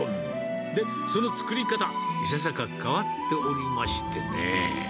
で、その作り方、いささか変わっておりましてね。